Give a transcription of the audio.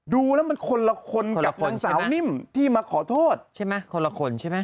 ดูแล้วมันคนละคนกับนางสาวนิ่มที่มาขอโทษใช่ไหมคนละคนใช่ไหม